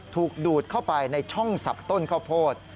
ถูกดูดเข้าไปในช่องสับต้นข้าวโพด